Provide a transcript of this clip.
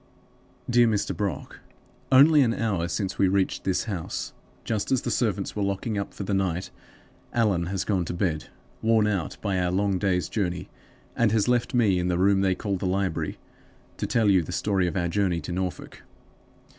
"DEAR MR. BROCK Only an hour since we reached this house, just as the servants were locking up for the night. Allan has gone to bed, worn out by our long day's journey, and has left me in the room they call the library, to tell you the story of our journey to Norfolk.